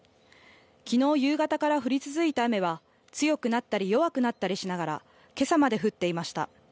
きのう夕方から降り続いた雨は、強くなったり弱くなったりしながら、けさまで降っていました。